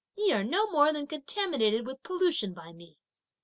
ye are no more than contaminated with pollution by me!"